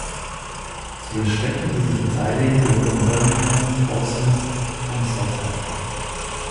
Zu den Städten, die sich beteiligen, gehören Birmingham, Portsmouth und Southampton.